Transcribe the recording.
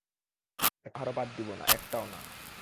একটা পাহাড় ও বাদ দিবো না একটাও না!